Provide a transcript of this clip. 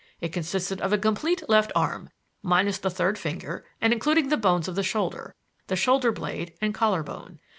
It consisted of a complete left arm, minus the third finger and including the bones of the shoulder the shoulder blade and collar bone.